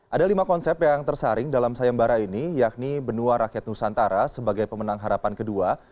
ada lima konsep yang tersaring dalam sayembara ini yakni benua rakyat nusantara sebagai pemenang harapan kedua